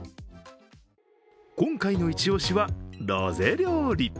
今回の一押しはロゼ料理。